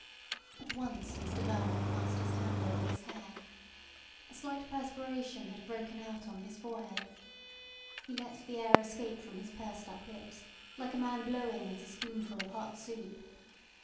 At once Mr Verloc passed his hand over his hair. A slight perspiration had broken out on his forehead. He let the air escape from his pursed up lips like a man blowing at a spoonful of hot soup.